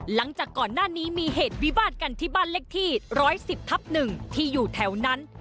หลังจากก่อนหน้านี้มีเหตุวิวาดกันที่บ้านเลขที่๑๑๐ทับ๑ที่อยู่แถวนั้น